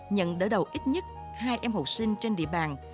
nhận đỡ đầu ít nhất hai em học sinh trên địa bàn